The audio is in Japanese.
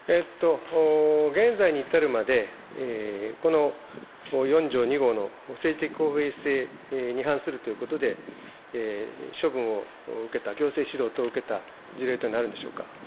現在に至るまで、この４条２号の政治的公平性に反するということで、処分を受けた、行政指導等を受けた事例というのはあるんでしょうか。